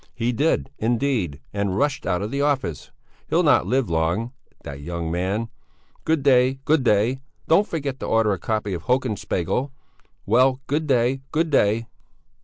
He did, indeed, and rushed out of the office. He'll not live long, that young man! Good day, good day! Don't forget to order a copy of Hoken Spegel! Well, good day, good day."